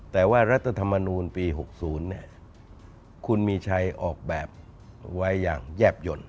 แต่ว่ารัฐธรรมนูลปี๖๐คุณมีชัยออกแบบไว้อย่างแยบหย่น